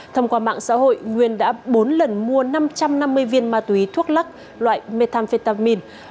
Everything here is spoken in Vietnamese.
thông qua mạng xã hội nguyên đã bốn lần mua năm trăm năm mươi viên ma túy thuốc lắc loại methamphetamin